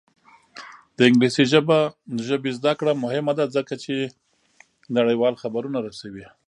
د انګلیسي ژبې زده کړه مهمه ده ځکه چې نړیوال خبرونه رسوي.